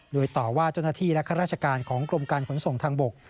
โดยต่อว่าเจ้าหน้าที่และข้าราชการของกรมการขนส่งทางบก